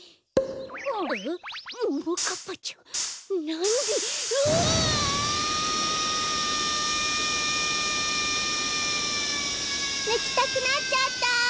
ぬきたくなっちゃった！